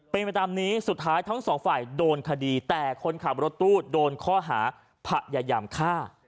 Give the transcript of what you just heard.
เป็นไปตามนี้สุดท้ายทั้งสองฝ่ายโดนคดีแต่คนขับรถตู้โดนข้อหาพยายามฆ่า